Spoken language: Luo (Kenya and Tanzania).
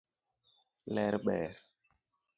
Ler ber.